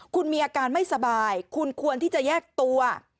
คุณมีอาการไม่สบายคุณควรที่จะแยกตัว